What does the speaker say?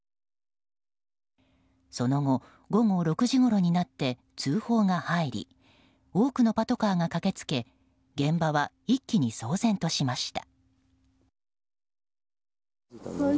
その後、午後６時ごろになって通報が入り多くのパトカーが駆けつけ現場は一気に騒然としました。